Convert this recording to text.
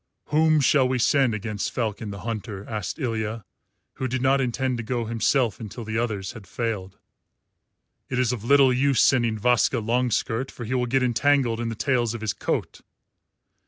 "Whom shall we send against Falcon the Hunter?" asked Ilya, who did not intend to go himself until the others had failed. "It is of little use sending Vaska Longskirt, for he will get entangled in the tails of his coat.